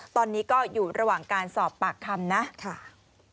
ตอนนี้ก็อยู่ระหว่างการสอบปากคำนะค่ะ